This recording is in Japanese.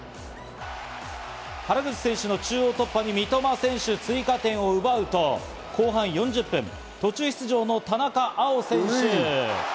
原口選手の中央突破に三笘選手、追加点を奪うと、後半４０分、途中出場の田中碧選手。